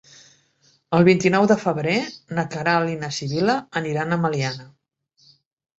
El vint-i-nou de febrer na Queralt i na Sibil·la aniran a Meliana.